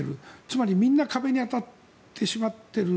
つまり、みんな壁に当たってしまっている。